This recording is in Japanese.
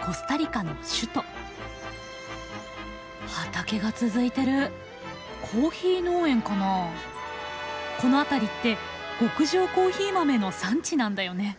この辺りって極上コーヒー豆の産地なんだよね。